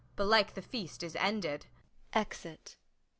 belike the feast is ended. [Exit.